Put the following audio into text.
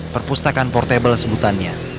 perpustakaan portable sebutannya